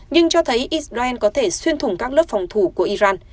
nhưng cho thấy israel có thể xuyên thủng các lớp phòng thủ của iran